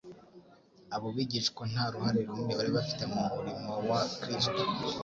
Abo bigishwa nta ruhare runini bari bafite mu murimo wa Kristo,